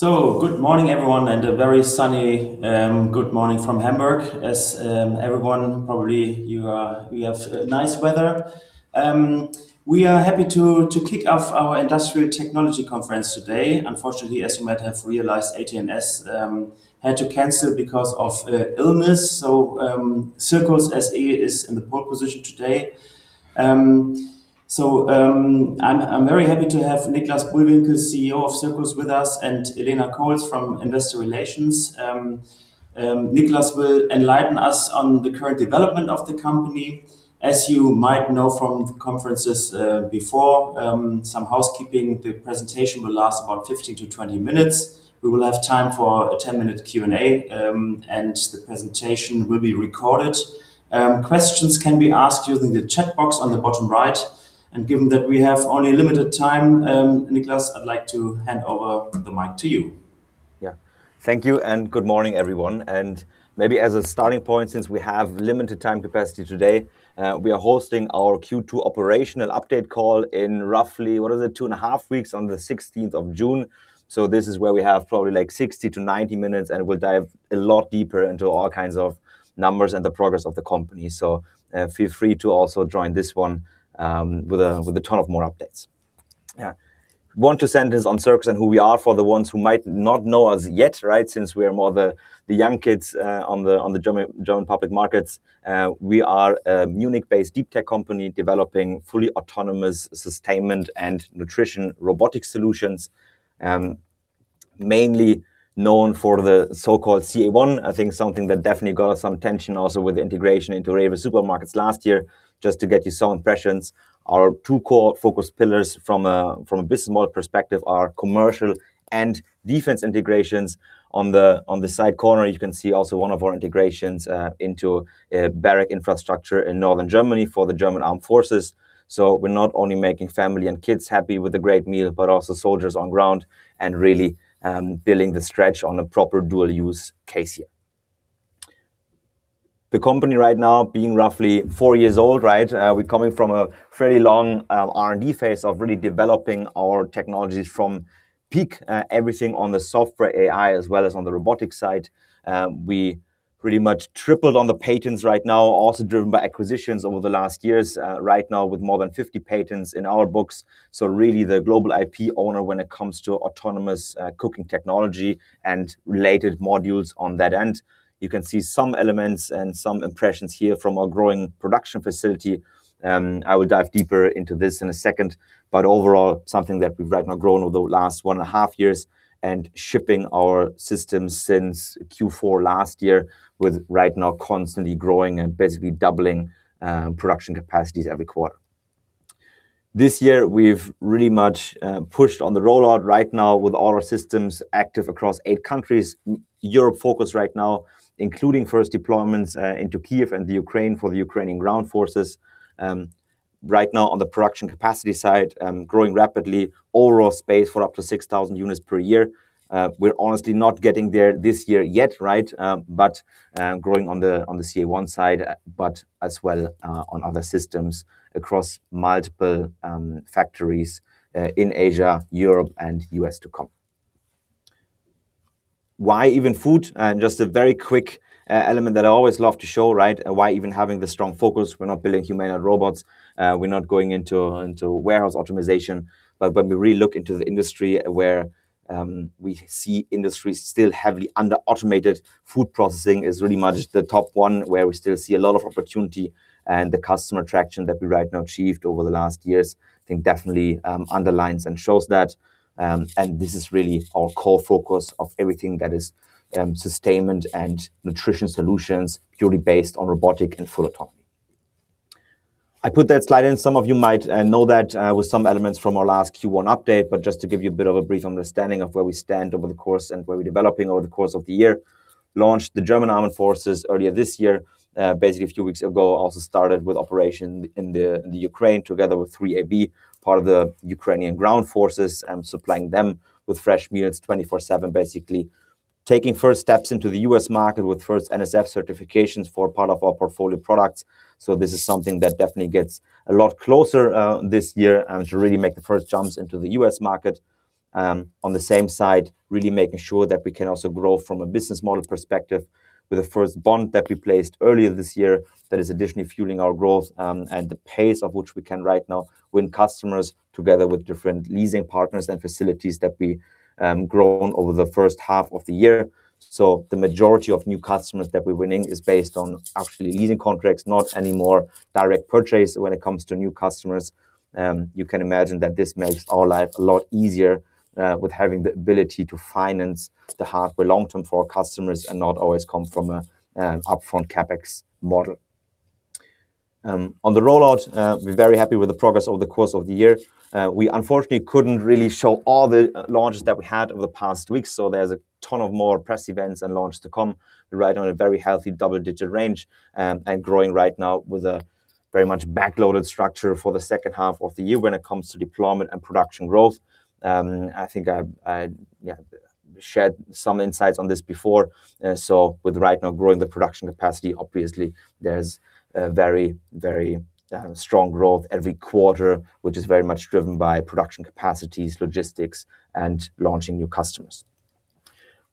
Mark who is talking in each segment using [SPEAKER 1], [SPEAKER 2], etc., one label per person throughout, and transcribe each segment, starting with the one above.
[SPEAKER 1] Good morning, everyone, and a very sunny good morning from Hamburg. As everyone, probably you have nice weather. We are happy to kick off our industrial technology conference today. Unfortunately, as you might have realized, ATNS had to cancel because of illness. Circus SE is in the pole position today. I'm very happy to have Nikolas Bullwinkel, CEO of Circus, with us and Elena Kohl from Investor Relations. Nikolas will enlighten us on the current development of the company. As you might know from conferences before, some housekeeping. The presentation will last about 15-20 minutes. We will have time for a 10-minute Q&A, and the presentation will be recorded. Questions can be asked using the chat box on the bottom right. Given that we have only limited time, Nikolas, I'd like to hand over the mic to you.
[SPEAKER 2] Thank you and good morning, everyone. Maybe as a starting point, since we have limited time capacity today, we are hosting our Q2 operational update call in roughly, what is it, two and a half weeks on the 16th of June. This is where we have probably 60-90 minutes, and we'll dive a lot deeper into all kinds of numbers and the progress of the company. Feel free to also join this one with a ton of more updates. One, two sentences on Circus and who we are for the ones who might not know us yet, right? Since we are more the young kids on the German public markets. We are a Munich-based deep tech company developing fully autonomous sustainment and nutrition robotic solutions. Mainly known for the so-called CA-1. I think something that definitely got some attention also with the integration into REWE supermarkets last year. Just to get you some impressions. Our two core focus pillars from a business model perspective are commercial and defense integrations. On the side corner, you can see also one of our integrations into a barrack infrastructure in Northern Germany for the German Armed Forces. We're not only making family and kids happy with a great meal, but also soldiers on ground and really building the stretch on a proper dual-use case here. The company right now being roughly four years old, right? We're coming from a fairly long R&D phase of really developing our technologies from peak, everything on the software AI, as well as on the robotics side. We pretty much tripled on the patents right now, also driven by acquisitions over the last years. Right now with more than 50 patents in our books. Really the global IP owner when it comes to autonomous cooking technology and related modules on that end. You can see some elements and some impressions here from our growing production facility. I will dive deeper into this in a second, but overall, something that we've right now grown over the last one and a half years and shipping our systems since Q4 last year, with right now constantly growing and basically doubling production capacities every quarter. This year, we've really much pushed on the rollout right now with all our systems active across eight countries. Europe focused right now, including first deployments into Kyiv and Ukraine for the Ukrainian Ground Forces. Right now on the production capacity side, growing rapidly overall space for up to 6,000 units per year. We're honestly not getting there this year yet, right? Growing on the CA-1 side, but as well on other systems across multiple factories in Asia, Europe, and U.S. to come. Why even food? Just a very quick element that I always love to show, right? Why even having the strong focus? We're not building humanoid robots. We're not going into warehouse optimization. When we really look into the industry where we see industries still heavily under automated, food processing is really much the top one where we still see a lot of opportunity. The customer traction that we right now achieved over the last years, I think definitely underlines and shows that. This is really our core focus of everything that is sustainment and nutrition solutions purely based on robotic and full autonomy. I put that slide in. Some of you might know that with some elements from our last Q1 update, but just to give you a bit of a brief understanding of where we stand over the course and where we're developing over the course of the year. Launched the German Armed Forces earlier this year, basically a few weeks ago. Also started with operation in Ukraine together with 3AB, part of the Ukrainian Ground Forces, and supplying them with fresh meals 24/7. Basically taking first steps into the U.S. market with first NSF certifications for part of our portfolio products. This is something that definitely gets a lot closer this year and to really make the first jumps into the U.S. market. On the same side, really making sure that we can also grow from a business model perspective with the first bond that we placed earlier this year, that is additionally fueling our growth, and the pace of which we can right now win customers together with different leasing partners and facilities that we've grown over the first half of the year. The majority of new customers that we're winning is based on actually leasing contracts, not anymore direct purchase when it comes to new customers. You can imagine that this makes our life a lot easier with having the ability to finance the hardware long-term for our customers and not always come from an upfront CapEx model. On the rollout, we're very happy with the progress over the course of the year. We unfortunately couldn't really show all the launches that we had over the past weeks, so there's a ton of more press events and launches to come. We're right on a very healthy double-digit range and growing right now with a very much back-loaded structure for the second half of the year when it comes to deployment and production growth. I think I shared some insights on this before. With right now growing the production capacity, obviously there's very strong growth every quarter, which is very much driven by production capacities, logistics, and launching new customers.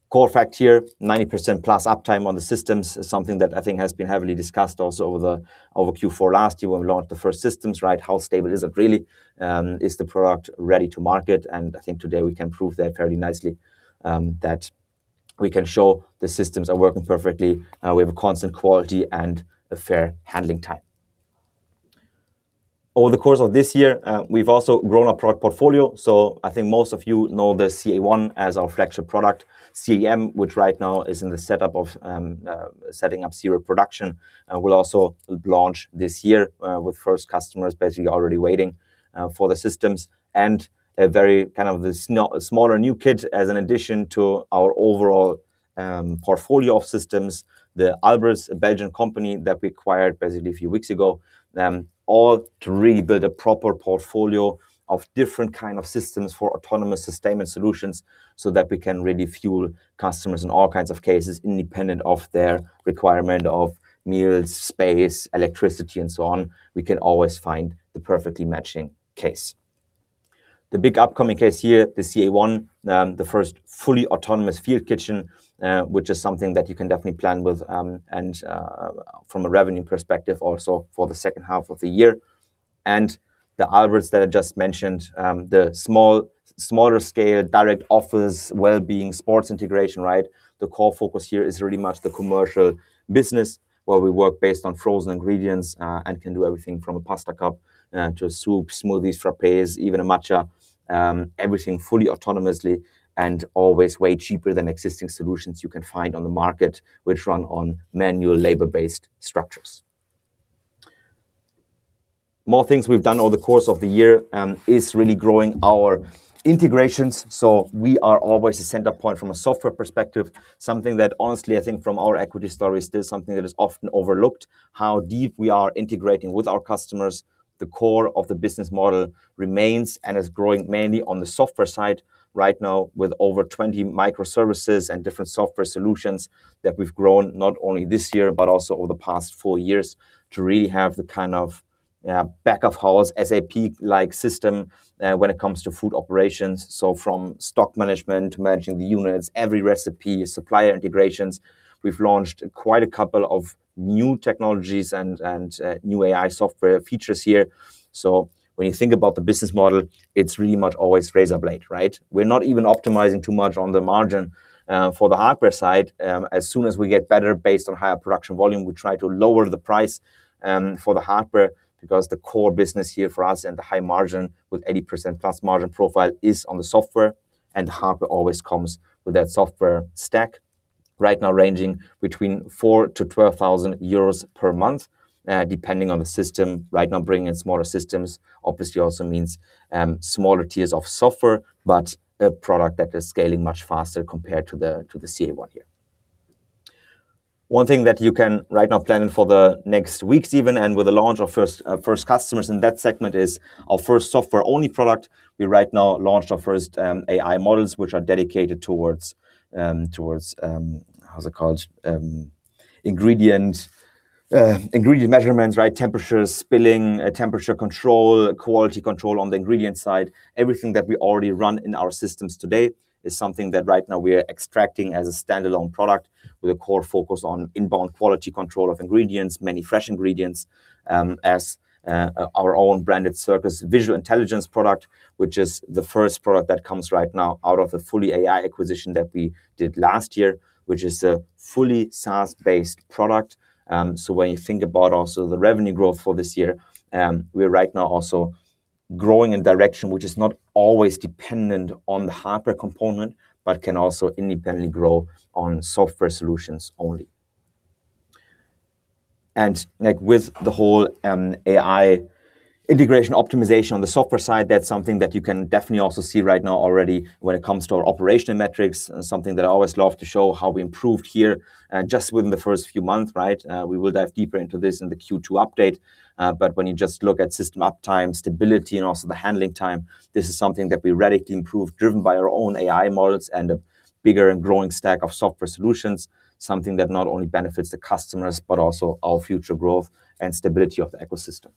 [SPEAKER 2] Core fact here, 90% plus uptime on the systems is something that I think has been heavily discussed also over Q4 last year. We launched the first systems. How stable is it really? Is the product ready to market? I think today we can prove that fairly nicely, that we can show the systems are working perfectly. We have a constant quality and a fair handling time. Over the course of this year, we've also grown our product portfolio. I think most of you know the CA-1 as our flagship product. CA-M, which right now is in the setup of setting up serial production, will also launch this year, with first customers basically already waiting for the systems. A very kind of smaller new kit as an addition to our overall portfolio of systems. Alberts, a Belgian company that we acquired basically a few weeks ago, all to really build a proper portfolio of different kind of systems for autonomous sustainment solutions so that we can really fuel customers in all kinds of cases, independent of their requirement of meals, space, electricity, and so on. We can always find the perfectly matching case. The big upcoming case here, the CA-1, the first fully autonomous field kitchen, which is something that you can definitely plan with, from a revenue perspective also, for the second half of the year. The Alberts that I just mentioned, the smaller scale direct office well-being sports integration. The core focus here is really much the commercial business, where we work based on frozen ingredients, and can do everything from a pasta cup, to a soup, smoothies, frappes, even a matcha. Everything fully autonomously and always way cheaper than existing solutions you can find on the market, which run on manual labor-based structures. More things we've done over the course of the year is really growing our integrations. We are always a center point from a software perspective, something that honestly, I think from our equity story, is still something that is often overlooked, how deep we are integrating with our customers. The core of the business model remains and is growing mainly on the software side right now, with over 20 microservices and different software solutions that we've grown, not only this year, but also over the past four years, to really have the kind of back of house SAP-like system when it comes to food operations. From stock management to managing the units, every recipe, supplier integrations. We've launched quite a couple of new technologies and new AI software features here. When you think about the business model, it's really much always razor blade, right? We're not even optimizing too much on the margin for the hardware side. As soon as we get better based on higher production volume, we try to lower the price for the hardware because the core business here for us and the high margin with 80% plus margin profile is on the software, and hardware always comes with that software stack. Right now ranging between 4,000-12,000 euros per month, depending on the system. Right now, bringing smaller systems obviously also means smaller tiers of software, but a product that is scaling much faster compared to the CA-1 here. One thing that you can right now plan for the next weeks even, and with the launch of first customers in that segment, is our first software-only product. We right now launched our first AI models, which are dedicated towards, how is it called? Ingredient measurements. Temperatures, spilling, temperature control, quality control on the ingredient side. Everything that we already run in our systems today is something that right now we are extracting as a standalone product with a core focus on inbound quality control of ingredients, many fresh ingredients, as our own branded Circus visual intelligence product, which is the first product that comes right now out of the FullyAI acquisition that we did last year, which is a fully SaaS-based product. When you think about also the revenue growth for this year, we're right now also growing in direction which is not always dependent on the hardware component, but can also independently grow on software solutions only. With the whole AI integration optimization on the software side, that's something that you can definitely also see right now already when it comes to our operational metrics, and something that I always love to show how we improved here just within the first few months. We will dive deeper into this in the Q2 update. When you just look at system uptime, stability, and also the handling time, this is something that we radically improved, driven by our own AI models and a bigger and growing stack of software solutions. Something that not only benefits the customers, but also our future growth and stability of the ecosystem.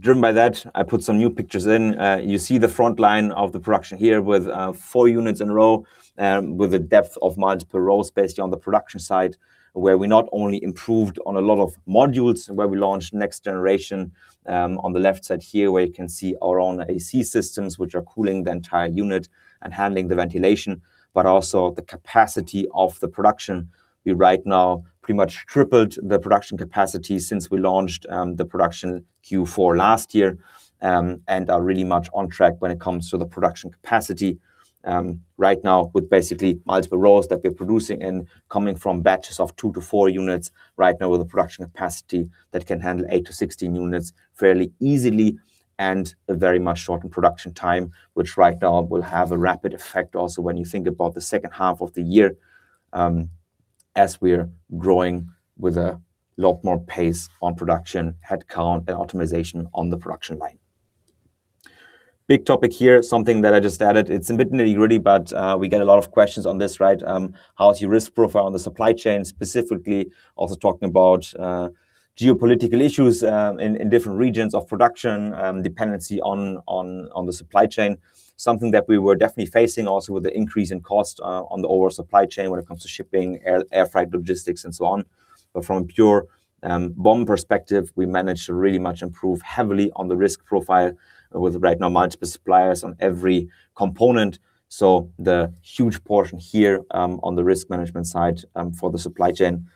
[SPEAKER 2] Driven by that, I put some new pictures in. You see the front line of the production here with four units in a row, with a depth of multiple rows based on the production side, where we not only improved on a lot of modules and where we launched next generation. On the left side here, where you can see our own AC systems, which are cooling the entire unit and handling the ventilation, but also the capacity of the production. We right now pretty much tripled the production capacity since we launched the production Q4 last year, and are really much on track when it comes to the production capacity. Right now with basically multiple rows that we're producing and coming from batches of two to four units right now with a production capacity that can handle eight to 16 units fairly easily and a very much shortened production time, which right now will have a rapid effect also when you think about the second half of the year as we're growing with a lot more pace on production headcount and optimization on the production line. Big topic here, something that I just added. It's a bit nitty-gritty, but we get a lot of questions on this. How is your risk profile on the supply chain, specifically also talking about geopolitical issues in different regions of production, dependency on the supply chain. Something that we were definitely facing also with the increase in cost on the overall supply chain when it comes to shipping, air freight, logistics, and so on. From a pure BOM perspective, we managed to really much improve heavily on the risk profile with right now multiple suppliers on every component. The huge portion here, on the risk management side for the supply chain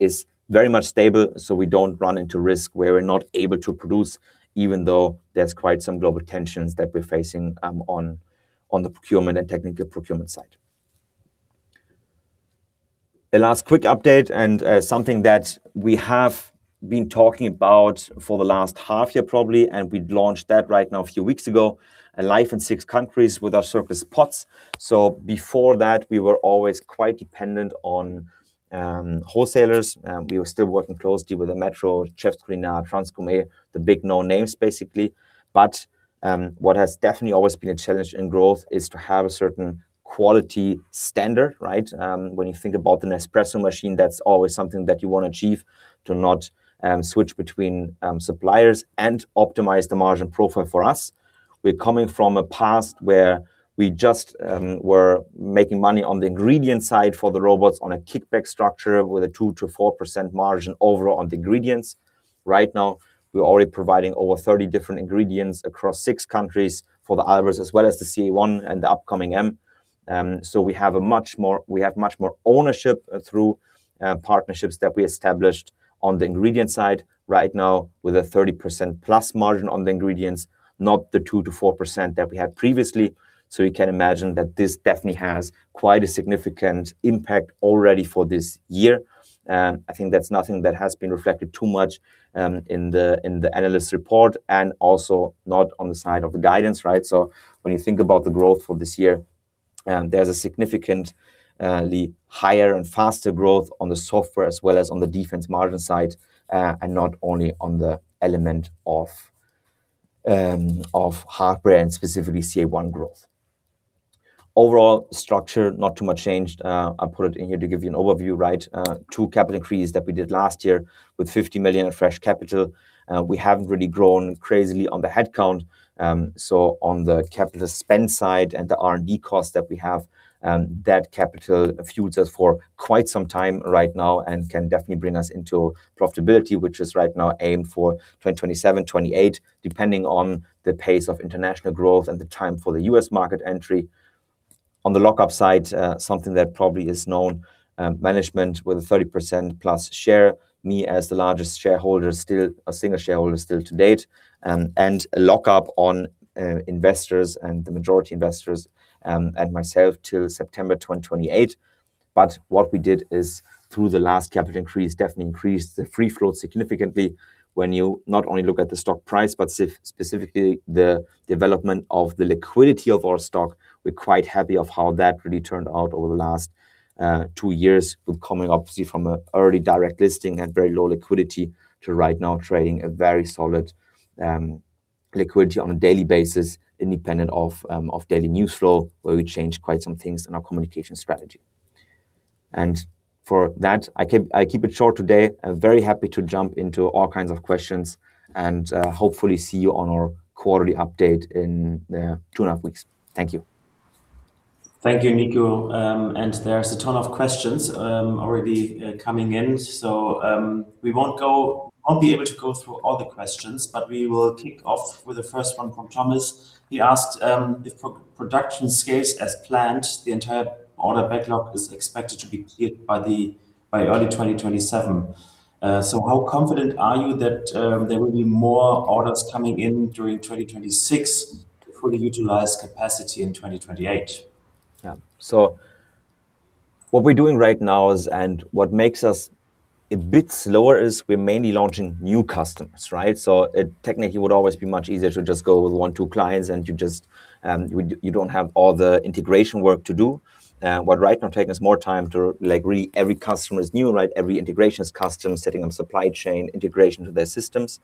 [SPEAKER 2] is very much stable, we don't run into risk where we're not able to produce, even though there's quite some global tensions that we're facing on the procurement and technical procurement side. The last quick update and something that we have been talking about for the last half year, probably, we launched that right now a few weeks ago, live in six countries with our Alberts. Before that, we were always quite dependent on wholesalers. We were still working closely with the Metro, METRO Chef now, Transgourmet, the big known names basically. What has definitely always been a challenge in growth is to have a certain quality standard. When you think about the Nespresso machine, that's always something that you want to achieve, to not switch between suppliers and optimize the margin profile for us. We're coming from a past where we just were making money on the ingredient side for the robots on a kickback structure with a 2%-4% margin overall on the ingredients. Right now, we're already providing over 30 different ingredients across six countries for the iVERS as well as the CA-1 and the upcoming M. We have much more ownership through partnerships that we established on the ingredient side right now with a 30%+ margin on the ingredients, not the 2%-4% that we had previously. You can imagine that this definitely has quite a significant impact already for this year. I think that's nothing that has been reflected too much in the analyst report and also not on the side of the guidance. When you think about the growth for this year, there's a significantly higher and faster growth on the software as well as on the defense margin side, and not only on the element of hardware and specifically CA-1 growth. Overall structure, not too much changed. I put it in here to give you an overview. Two capital increase that we did last year with 50 million of fresh capital. We haven't really grown crazily on the headcount. On the capital spend side and the R&D cost that we have, that capital fuels us for quite some time right now and can definitely bring us into profitability, which is right now aimed for 2027, 2028, depending on the pace of international growth and the time for the U.S. market entry. On the lockup side, something that probably is known, management with a 30%+ share. Me as the largest shareholder, still a single shareholder still to date. A lockup on investors and the majority investors, and myself to September 2028. What we did is through the last capital increase, definitely increased the free float significantly when you not only look at the stock price, but specifically the development of the liquidity of our stock. We're quite happy of how that really turned out over the last two years with coming obviously from an early direct listing at very low liquidity to right now trading a very solid liquidity on a daily basis independent of daily news flow, where we changed quite some things in our communication strategy. For that, I keep it short today. I'm very happy to jump into all kinds of questions and hopefully see you on our quarterly update in two and a half weeks. Thank you.
[SPEAKER 1] Thank you, Niko. There's a ton of questions already coming in. We won't be able to go through all the questions, but we will kick off with the first one from Thomas. He asked, "If production scales as planned, the entire order backlog is expected to be cleared by early 2027. How confident are you that there will be more orders coming in during 2026 to fully utilize capacity in 2028?
[SPEAKER 2] What we're doing right now is, what makes us a bit slower is we're mainly launching new customers. It technically would always be much easier to just go with one, two clients and you don't have all the integration work to do. What right now taking us more time to, every customer is new. Every integration is custom, setting up supply chain, integration to their systems.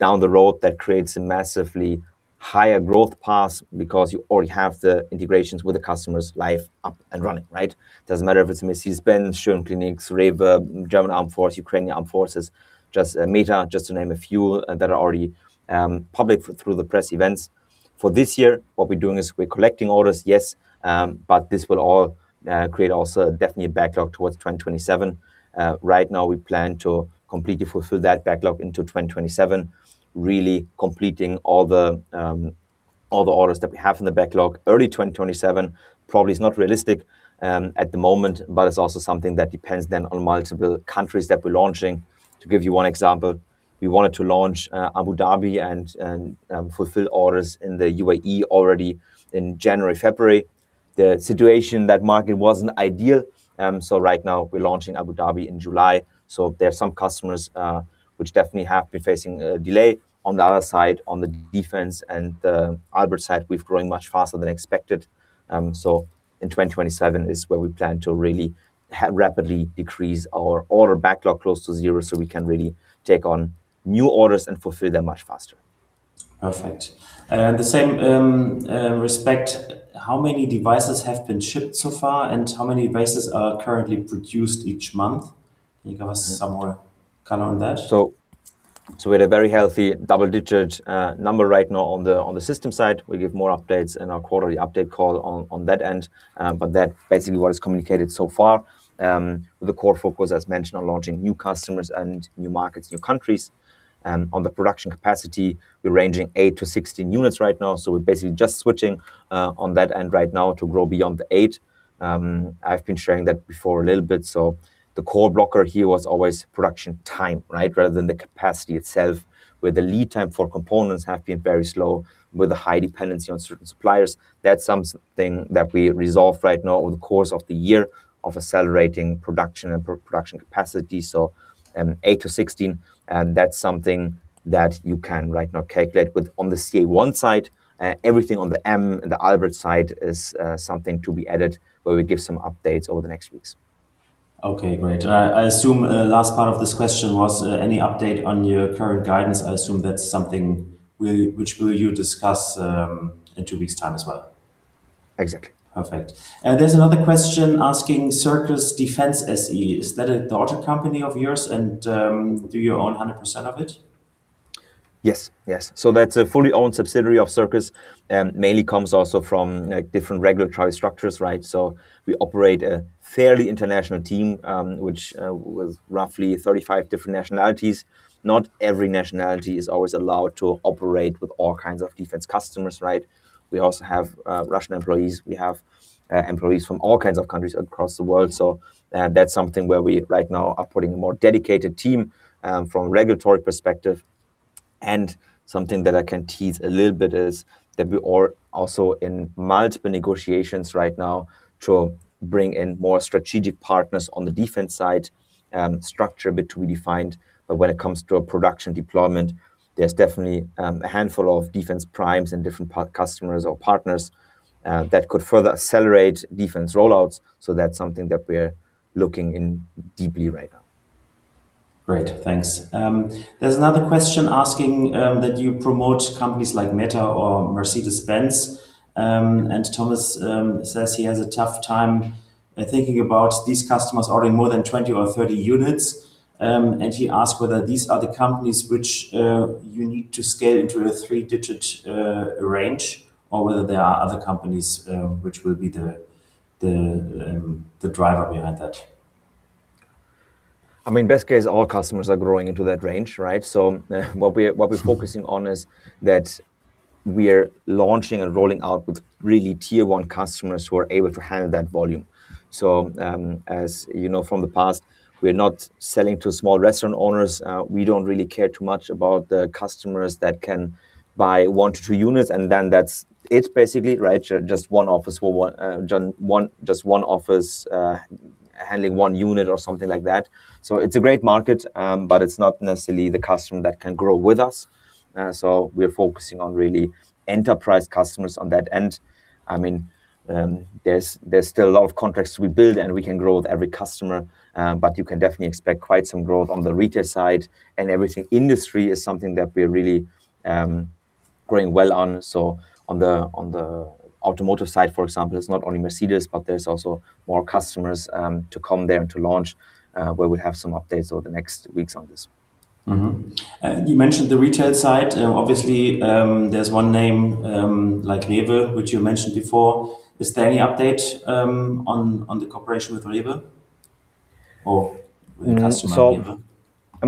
[SPEAKER 2] Down the road, that creates a massively higher growth path because you already have the integrations with the customer's life up and running. Doesn't matter if it's Mercedes-Benz, Schön Klinik, Raiffeisenbank, German Armed Force, Ukrainian Armed Forces, Meta, just to name a few that are already public through the press events. For this year, what we're doing is we're collecting orders, yes, this will all create also definitely a backlog towards 2027. Right now we plan to completely fulfill that backlog into 2027, really completing all the orders that we have in the backlog. Early 2027 probably is not realistic at the moment, it's also something that depends then on multiple countries that we're launching. To give you one example, we wanted to launch Abu Dhabi and fulfill orders in the UAE already in January, February. The situation in that market wasn't ideal, right now we're launching Abu Dhabi in July. There are some customers which definitely have been facing a delay. On the other side, on the defense and the Alberts side, we've grown much faster than expected. In 2027 is where we plan to really rapidly decrease our order backlog close to zero so we can really take on new orders and fulfill them much faster.
[SPEAKER 1] Perfect. The same respect, how many devices have been shipped so far, and how many devices are currently produced each month? Can you give us some more color on that?
[SPEAKER 2] We had a very healthy double-digit number right now on the system side. We'll give more updates in our quarterly update call on that end. That basically what is communicated so far. The core focus, as mentioned, on launching new customers and new markets, new countries. On the production capacity, we're ranging eight to 16 units right now, so we're basically just switching on that end right now to grow beyond the eight. I've been sharing that before a little bit. The core blocker here was always production time rather than the capacity itself, where the lead time for components have been very slow with a high dependency on certain suppliers. That's something that we resolve right now over the course of the year of accelerating production and production capacity. Eight to 16, that's something that you can right now calculate with. On the CA1 side, everything on the M and the Alberts side is something to be added, where we give some updates over the next weeks.
[SPEAKER 1] Okay, great. Last part of this question was any update on your current guidance. I assume that's something which will you discuss in two weeks' time as well.
[SPEAKER 2] Exactly.
[SPEAKER 1] Perfect. There is another question asking, Circus Defense SE, is that a daughter company of yours? Do you own 100% of it?
[SPEAKER 2] Yes. That is a fully owned subsidiary of Circus, mainly comes also from different regulatory structures. We operate a fairly international team, which with roughly 35 different nationalities. Not every nationality is always allowed to operate with all kinds of Defence customers. We also have Russian employees. We have employees from all kinds of countries across the world. That is something where we right now are putting a more dedicated team from regulatory perspective. Something that I can tease a little bit is that we are also in multiple negotiations right now to bring in more strategic partners on the Defence side, structure a bit to be defined. When it comes to a production deployment, there is definitely a handful of Defence primes and different customers or partners that could further accelerate Defence rollouts. That is something that we are looking in deeply right now.
[SPEAKER 1] Great, thanks. There is another question asking that you promote companies like Meta or Mercedes-Benz. Thomas says he has a tough time thinking about these customers ordering more than 20 or 30 units. He asked whether these are the companies which you need to scale into a three-digit range, or whether there are other companies which will be the driver behind that.
[SPEAKER 2] Best case, all customers are growing into that range, right? What we are focusing on is that we are launching and rolling out with really Tier 1 customers who are able to handle that volume. As you know from the past, we are not selling to small restaurant owners. We do not really care too much about the customers that can buy one to two units and then that is it, basically. Just one office handling one unit or something like that. It is a great market, but it is not necessarily the customer that can grow with us. We are focusing on really enterprise customers on that end. There is still a lot of contracts we build, and we can grow with every customer. You can definitely expect quite some growth on the retail side and everything. Industry is something that we are really growing well on. On the automotive side, for example, it is not only Mercedes, but there is also more customers to come there to launch, where we have some updates over the next weeks on this.
[SPEAKER 1] Mm-hmm. You mentioned the retail side. Obviously, there is one name, like REWE, which you mentioned before. Is there any update on the cooperation with REWE or the customer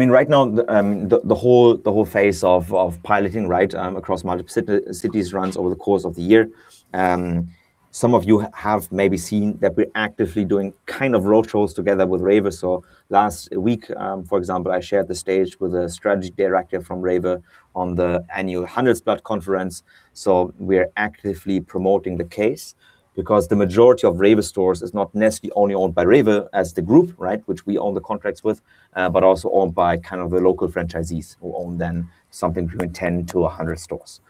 [SPEAKER 1] REWE?
[SPEAKER 2] Right now, the whole phase of piloting right across multiple cities runs over the course of the year. Some of you have maybe seen that we are actively doing kind of road shows together with REWE. Last week, for example, I shared the stage with a strategy director from REWE on the annual Handelsblatt Conference. We are actively promoting the case, because the majority of REWE stores is not necessarily only owned by REWE as the group which we own the contracts with, but also owned by kind of the local franchisees who own then something between 10-100 stores.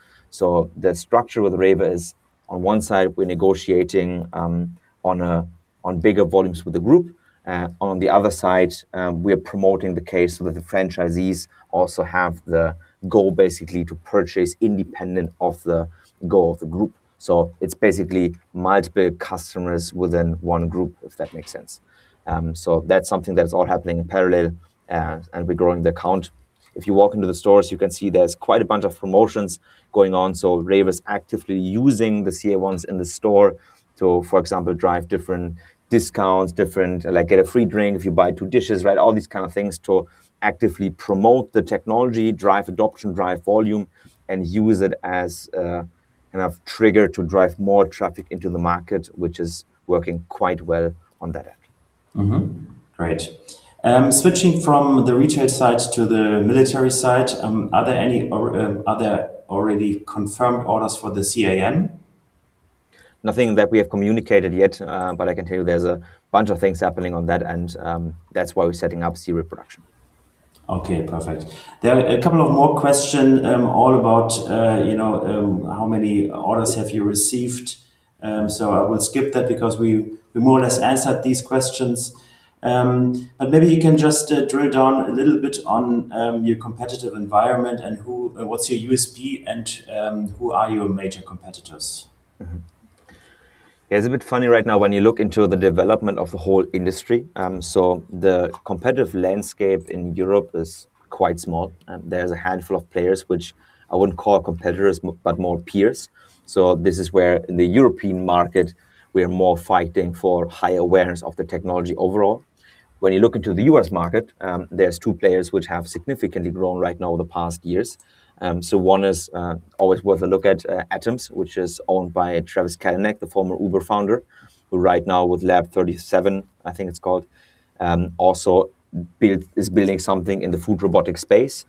[SPEAKER 2] The structure with REWE is on one side, we are negotiating on bigger volumes with the group. On the other side, we are promoting the case with the franchisees, also have the goal basically to purchase independent of the goal of the group. It is basically multiple customers within one group, if that makes sense. That is something that is all happening in parallel, and we are growing the account. If you walk into the stores, you can see there is quite a bunch of promotions going on. REWE is actively using the CA-1s in the store to, for example, drive different discounts, different like get a free drink if you buy two dishes, all these kind of things to actively promote the technology, drive adoption, drive volume, and use it as a kind of trigger to drive more traffic into the market, which is working quite well on that end.
[SPEAKER 1] Great. Switching from the retail side to the military side, are there already confirmed orders for the CA-M?
[SPEAKER 2] Nothing that we have communicated yet. I can tell you there's a bunch of things happening on that end. That's why we're setting up serial production.
[SPEAKER 1] Okay, perfect. There are a couple of more questions, all about how many orders have you received. I will skip that because we more or less answered these questions. Maybe you can just drill down a little bit on your competitive environment and what's your USP, and who are your major competitors?
[SPEAKER 2] It's a bit funny right now when you look into the development of the whole industry. The competitive landscape in Europe is quite small. There's a handful of players, which I wouldn't call competitors, but more peers. This is where, in the European market, we are more fighting for high awareness of the technology overall. When you look into the U.S. market, there's two players which have significantly grown right now the past years. One is always worth a look at, Atoms, which is owned by Travis Kalanick, the former Uber founder, who right now with Lab37, I think it's called, also is building something in the food robotics space.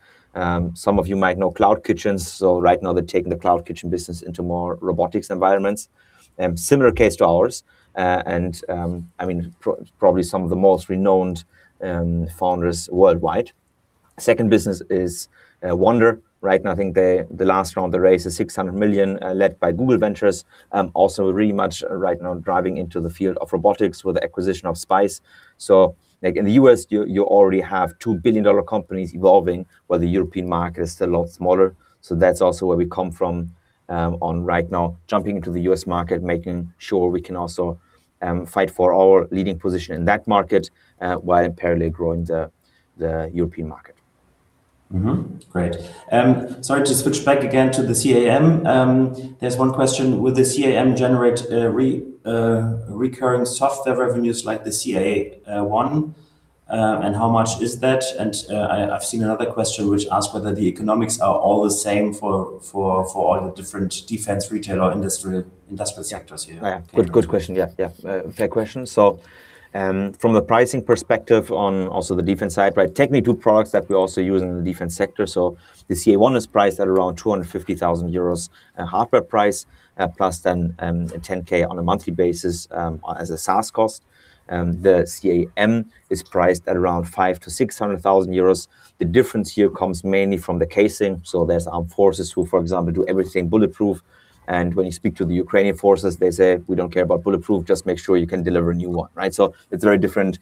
[SPEAKER 2] Some of you might know CloudKitchens, right now they're taking the CloudKitchens business into more robotics environments. Similar case to ours, and probably some of the most renowned founders worldwide. Second business is Wonder. Right now, I think the last round they raised is 600 million, led by Google Ventures. Also very much right now driving into the field of robotics with the acquisition of Spyce. In the U.S., you already have two billion-dollar companies evolving, while the European market is still a lot smaller. That's also where we come from on right now, jumping into the U.S. market, making sure we can also fight for our leading position in that market, while in parallel growing the European market.
[SPEAKER 1] Great. Sorry to switch back again to the CA-M. There's one question, would the CA-M generate recurring software revenues like the CA-1, and how much is that? I've seen another question which asks whether the economics are all the same for all the different defense, retail, or industrial sectors here.
[SPEAKER 2] Yeah. Good question. Yeah. Fair question. From the pricing perspective on also the defense side, technically two products that we also use in the defense sector. The CA-1 is priced at around 250,000 euros, a hardware price, plus then a 10K on a monthly basis, as a SaaS cost. The CA-M is priced at around 500,000-600,000 euros. The difference here comes mainly from the casing. There's armed forces who, for example, do everything bulletproof, and when you speak to the Ukrainian forces, they say, "We don't care about bulletproof, just make sure you can deliver a new one." It's very different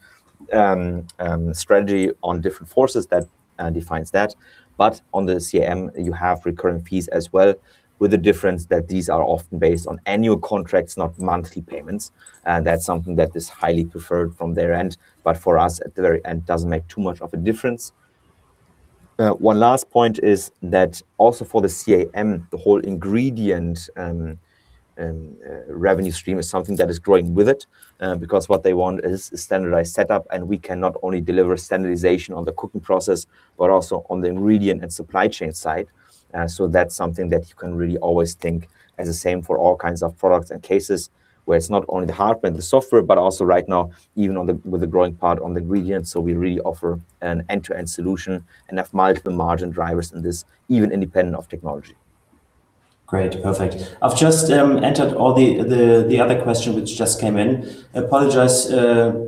[SPEAKER 2] strategy on different forces that defines that. On the CA-M, you have recurring fees as well, with the difference that these are often based on annual contracts, not monthly payments. That's something that is highly preferred from their end, but for us, at the very end, doesn't make too much of a difference. One last point is that also for the CA-M, the whole ingredient revenue stream is something that is growing with it, because what they want is a standardized set-up, and we can not only deliver standardization on the cooking process, but also on the ingredient and supply chain side. That's something that you can really always think as the same for all kinds of products and cases, where it's not only the hardware and the software, but also right now, even with the growing part on the ingredients. We really offer an end-to-end solution and have multiple margin drivers in this, even independent of technology.
[SPEAKER 1] Great. Perfect. I've just entered all the other questions which just came in. I apologize,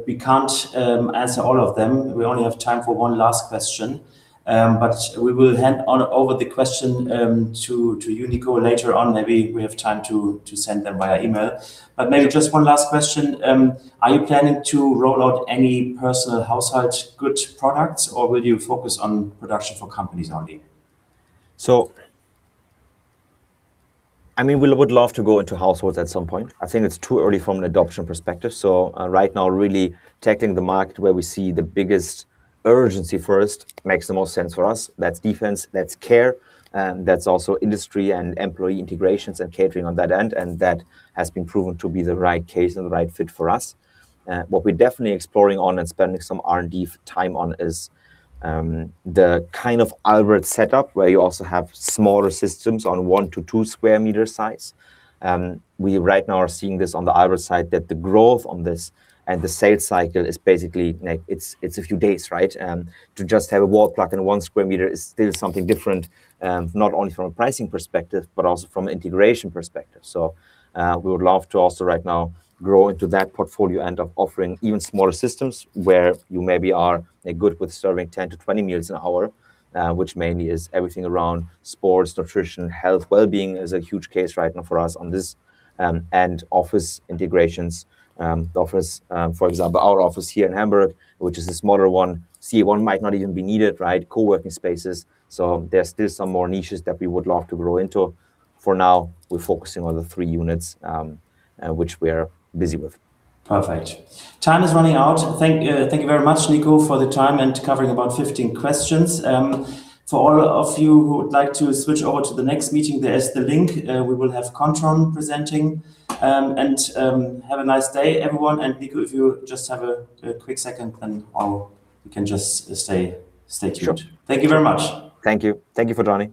[SPEAKER 1] we can't answer all of them. We only have time for one last question. We will hand on over the question to you, Nico, later on. Maybe we have time to send them via email. Maybe just one last question, are you planning to roll out any personal household goods products, or will you focus on production for companies only?
[SPEAKER 2] We would love to go into households at some point. I think it's too early from an adoption perspective, right now really tackling the market where we see the biggest urgency first makes the most sense for us. That's defense, that's care, that's also industry and employee integrations and catering on that end, that has been proven to be the right case and the right fit for us. What we're definitely exploring on and spending some R&D time on is the kind of Alberts set-up where you also have smaller systems on one to two sq m size. We right now are seeing this on the Alberts side, that the growth on this and the sales cycle is basically, it's a few days. To just have a wall plug in one sq m is still something different, not only from a pricing perspective, but also from an integration perspective. We would love to also right now grow into that portfolio end up offering even smaller systems where you maybe are good with serving 10 to 20 meals an hour, which mainly is everything around sports, nutrition, health, wellbeing is a huge case right now for us on this. Office integrations. The office, for example, our office here in Hamburg, which is a smaller one, CA-1 might not even be needed. Co-working spaces. There's still some more niches that we would love to grow into. For now, we're focusing on the three units, which we are busy with.
[SPEAKER 1] Perfect. Time is running out. Thank you very much, Nico, for the time and covering about 15 questions. For all of you who would like to switch over to the next meeting, there is the link. We will have Kontron presenting. Have a nice day, everyone, and Nico, if you just have a quick second, then we can just stay tuned. Thank you very much.
[SPEAKER 2] Thank you. Thank you for joining.